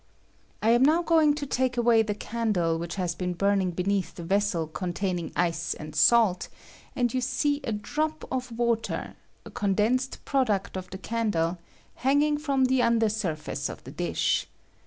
I am now going to take away the candle which has been burning beneath the vessel containing ice and salt, and you see a drop of water — a condensed product of the candle — hanging from the under surface of the dish.